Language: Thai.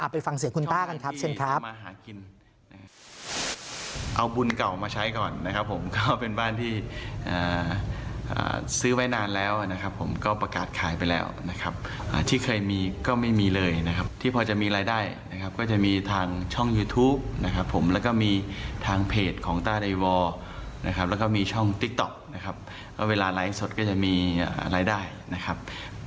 ไปฟังเสื้อคุณต้ากันครับ